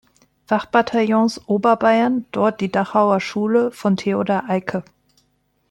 Wachbataillons „Oberbayern“ dort die „Dachauer Schule“ von Theodor Eicke.